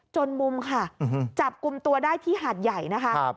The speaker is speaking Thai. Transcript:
จนมุมค่ะจับกลุ่มตัวได้ที่หาดใหญ่นะคะ